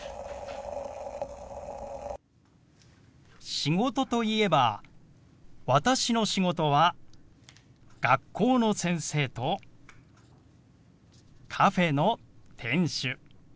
「仕事」といえば私の仕事は学校の先生とカフェの店主。